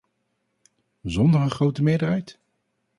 Zonder een grote meerderheid?